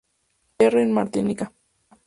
Pierre en Martinica.